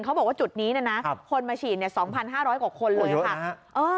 เขาบอกว่าจุดนี้คนมาฉีด๒๕๐๐กว่าคนเลยค่ะ